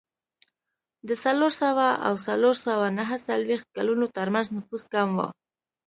د څلور سوه او څلور سوه نهه څلوېښت کلونو ترمنځ نفوس کم و